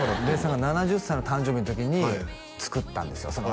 べーさんが７０歳の誕生日の時に作ったんですよ